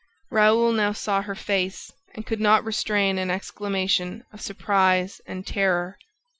Raoul now saw her face and could not restrain an exclamation of surprise and terror.